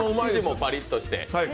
パリッとしてて。